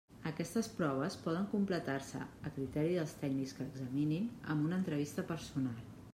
Aquestes proves poden completar-se, a criteri dels tècnics que examinin, amb una entrevista personal.